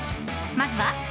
まずは。